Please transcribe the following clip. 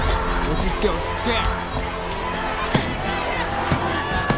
落ち着け落ち着け！